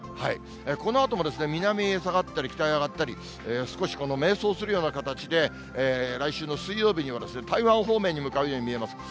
このあとも南へ下がったり、北へ上がったり、少し迷走するような形で、来週の水曜日には、台湾方面に向かうように見えます。